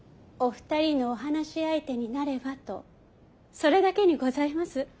お二人のお話し相手になればとそれだけにございます。